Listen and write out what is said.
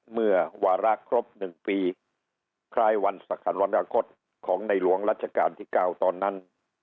เมื่อวาระครบหนึ่งปีคลายวันสัขนวรรณาคตของในหลวงรัชกาลที่เก้าตอนนั้น